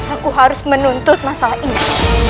aku harus menuntut masalah ini